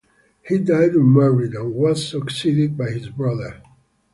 He died unmarried, and was succeeded by his brother.